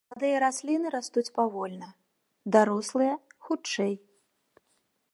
Маладыя расліны растуць павольна, дарослыя хутчэй.